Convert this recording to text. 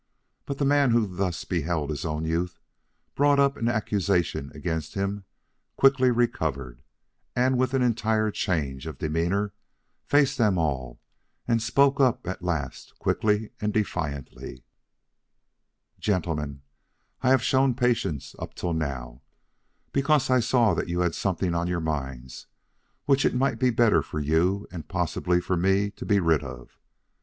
But the man who thus beheld his own youth brought up in accusation against him quickly recovered; and with an entire change of demeanor, faced them all and spoke up at last quickly and defiantly: "Gentlemen, I have shown patience up till now, because I saw that you had something on your minds which it might be better for you and possibly for me to be rid of.